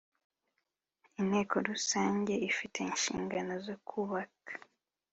inteko rusange ifite inshingano zo kubaka